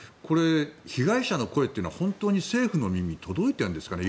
被害者の声というのは本当に政府の耳に届いているんですかね。